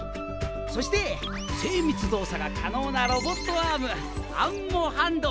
そして精密動作が可能なロボットアームアンモハンド！